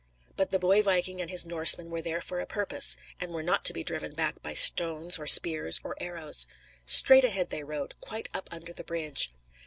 But the boy viking and his Norsemen were there for a purpose, and were not to be driven back by stones or spears or arrows. Straight ahead they rowed, "quite up under the bridge."